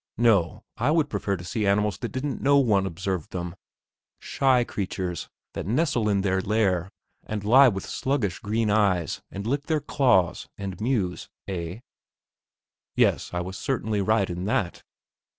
No; I would prefer to see animals that didn't know one observed them; shy creatures that nestle in their lair, and lie with sluggish green eyes, and lick their claws, and muse, eh? Yes; I was certainly right in that.